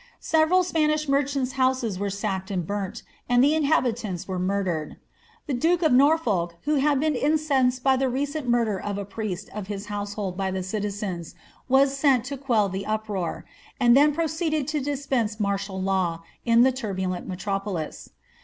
Several Spanish merchanis' houses were sacked and burnt, and the inhabitants were murdeted. The duke of Norfolk, who had been incensed by the recent murder ol a priest of his household by the citizens, was sent to quell the uproar, and then proceeded to dispense martial law in the turbulent metropolis.